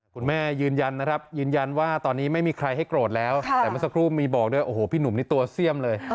ยืนยันนะครับยืนยันว่าตอนนี้ไม่มีใครให้โกรธแล้วแต่เมื่อสักครู่มีบอกด้วยโอ้โหพี่หนุ่มนี่ตัวเสี่ยมเลย